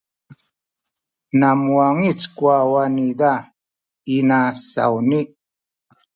na muwangic ku wawa niza inasawni.